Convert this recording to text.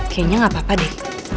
kayaknya nggak apa apa deh